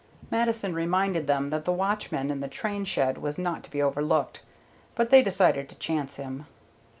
Mattison reminded them that the watchman in the train shed was not to be overlooked, but they decided to chance him.